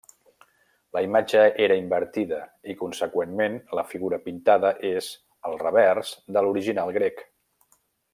La imatge era invertida i conseqüentment la figura pintada és el revers de l'original grec.